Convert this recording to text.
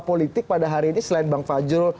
politik pada hari ini selain bang fajrul